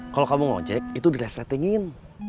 kalau kamu ngojek itu diresletingin